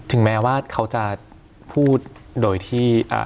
ถึงแม้ว่าเขาจะพูดโดยที่